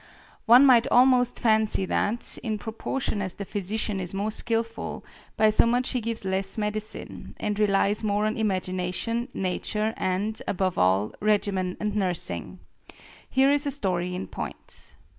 One might almost fancy that, in proportion as the physician is more skillful, by so much he gives less medicine, and relies more on imagination, nature, and, above all, regimen and nursing. Here is a story in point.